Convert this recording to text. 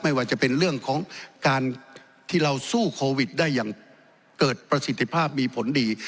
ไม่ว่าจะเป็นเรื่องของการที่เราสู้โควิดได้อย่างเกิดประสิทธิภาพมีผลดี